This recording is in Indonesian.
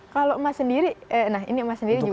kalau mas sendiri nah ini emas sendiri juga